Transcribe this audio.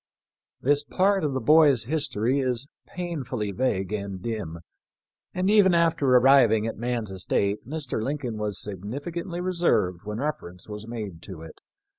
This part of the boy's history is painfully vague and dim, and even after arriving at man's estate Mr. Lincoln was significantly reserved when refer ence was made to it.